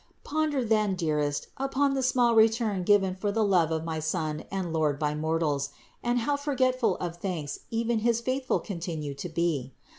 Ponder, then, dearest, upon the small return given for the love of my Son and Lord by mortals, and how forgetful of thanks even his faithful continue to be.